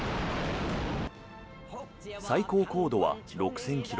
最高高度は６０００ｋｍ。